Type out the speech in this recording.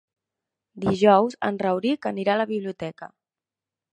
Dijous en Rauric anirà a la biblioteca.